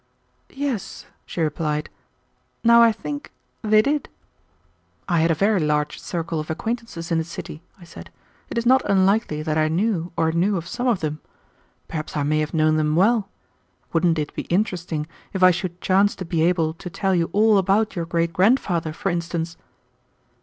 "Yes," she replied. "Now I think, they did." "I had a very large circle of acquaintances in the city," I said. "It is not unlikely that I knew or knew of some of them. Perhaps I may have known them well. Wouldn't it be interesting if I should chance to be able to tell you all about your great grandfather, for instance?"